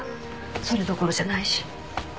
それどころじゃないし。